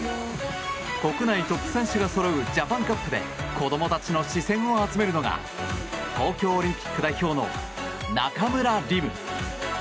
国内トップ選手がそろうＪａｐａｎＣｕｐで子供たちの視線を集めるのが東京オリンピック代表の中村輪夢。